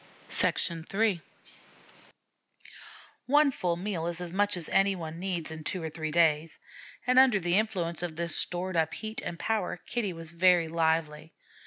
III One full meal is as much as any one needs in two or three days, and under the influence of this stored up heat and power, Kitty was very lively.